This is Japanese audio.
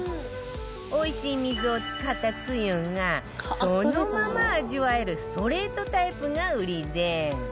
おいしい水を使ったつゆがそのまま味わえるストレートタイプが売りで